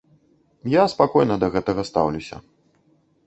Я спакойна да гэтага стаўлюся.